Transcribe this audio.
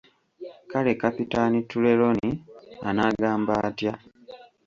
Kale Kapitaani Trelawney anaagamba atya?